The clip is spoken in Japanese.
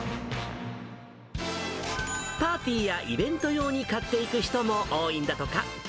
パーティーやイベント用に買っていく人も多いんだとか。